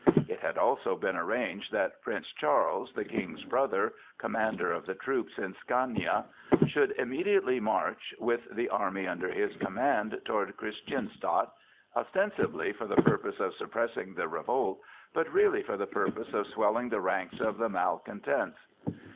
It had also been arranged that Prince Charles, the King's brother, Commander of the troops in Scania, should immediately march, with the army under his command, toward Christianstadt, ostensibly for the purpose of suppressing the revolt, but really for the purpose of swelling the ranks of the malcontents.